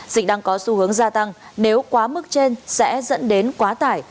dịch đang có xu hướng gia tăng nếu quá mức trên sẽ dẫn đến quá tải